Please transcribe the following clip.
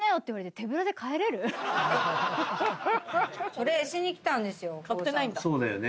それしに来たんですよ。